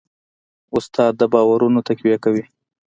استاد د باورونو تقویه کوي.